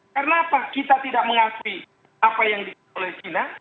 karena apa kita tidak mengakui apa yang dikatakan oleh china